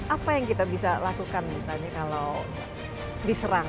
apa yang kita bisa lakukan misalnya kalau diserang